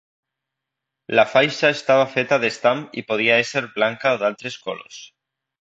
La faixa estava feta d'estam i podia ésser blanca o d'altres colors.